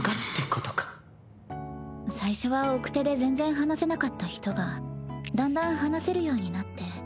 最初は奥手で全然話せなかった人がだんだん話せるようになって。